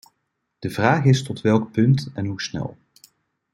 De vraag is tot welk punt, en hoe snel.